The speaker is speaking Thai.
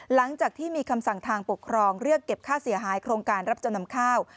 หลังจากที่มีคำสั่งทางปกครองเรียกเก็บค่าเสียหายโครงการรับจำนำข้าว